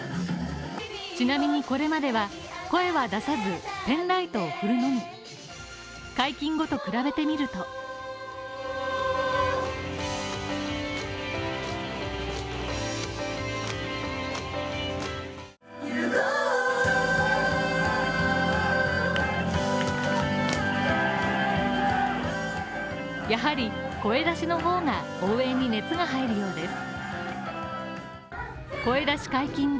ちなみにこれまでは、声は出さずペンライトを振るのみ解禁後と比べてみるとやはり声出しの方が応援に熱が入るようです。